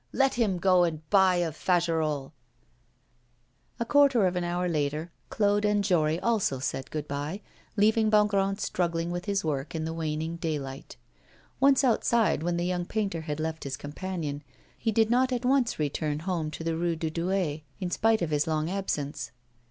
Let him go and buy of Fagerolles!' A quarter of an hour later, Claude and Jory also said good bye, leaving Bongrand struggling with his work in the waning daylight. Once outside, when the young painter had left his companion, he did not at once return home to the Rue de Douai, in spite of his long absence.